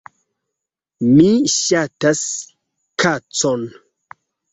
Mi ŝatas kacon